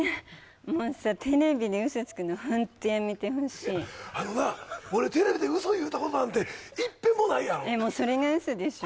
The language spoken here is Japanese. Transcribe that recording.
もうさテレビで嘘つくのホントやめてほしいあのな俺テレビで嘘言うたことなんていっぺんもないやろそれが嘘でしょ？